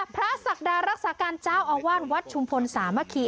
ศักดารักษาการเจ้าอาวาสวัดชุมพลสามัคคี